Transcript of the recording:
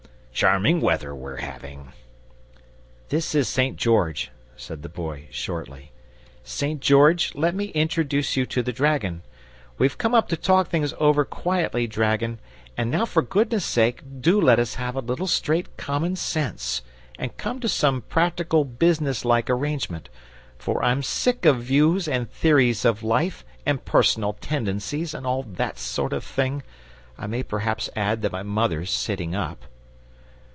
Charming weather we're having!" "This is St George," said the Boy, shortly. "St. George, let me introduce you to the dragon. We've come up to talk things over quietly, dragon, and now for goodness' sake do let us have a little straight common sense, and come to some practical business like arrangement, for I'm sick of views and theories of life and personal tendencies, and all that sort of thing. I may perhaps add that my mother's sitting up."